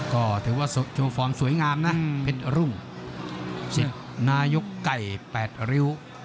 ก็ถือว่าชมฟองสวยงามนะเป็ดรุ่งจิตนายกไก่แปดริ้ว